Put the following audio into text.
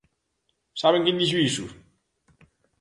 ¿Saben quen dixo iso?